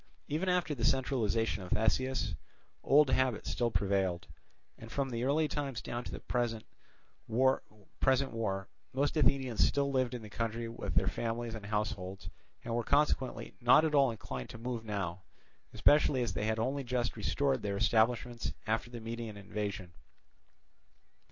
Even after the centralization of Theseus, old habit still prevailed; and from the early times down to the present war most Athenians still lived in the country with their families and households, and were consequently not at all inclined to move now, especially as they had only just restored their establishments after the Median invasion.